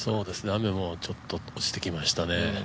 雨もちょっと落ちてきましたね。